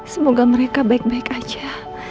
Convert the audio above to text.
semoga mereka baik baik aja